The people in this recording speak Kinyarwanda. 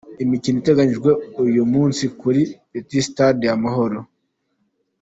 Imikino iteganijwe uyu munsi kuri Petit stade Amahoro.